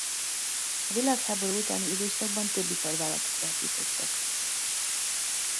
A világháború utáni időszakban több iparvállalatot alapítottak.